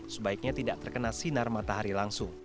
sebaiknya tidak terkena sinar matahari langsung